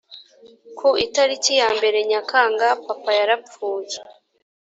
ku itariki ya mbere nyakanga papa yarapfuye